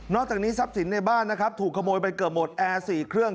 อกจากนี้ทรัพย์สินในบ้านนะครับถูกขโมยไปเกือบหมดแอร์๔เครื่อง